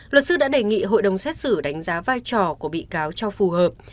luật sư đã đề nghị hội đồng xét xử đánh giá vai trò của bị cáo cho phù hợp